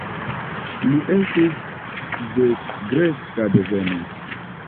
Li estis de greka deveno.